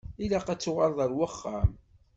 Ilaq ad tuɣaleḍ ar wexxam.